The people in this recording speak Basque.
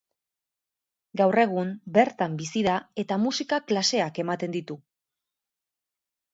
Gaur egun bertan bizi da eta musika klaseak ematen ditu.